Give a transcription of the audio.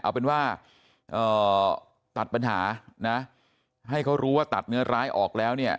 เอาเป็นว่าตัดปัญหานะให้เขารู้ว่าตัดเนื้อร้ายออกแล้วเนี่ย